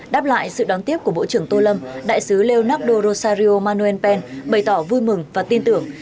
đáp lại sự đón tiếp của bộ trưởng tô lâm đại sứ leonardo rosario manuel pen bày tỏ vui mừng và tin tưởng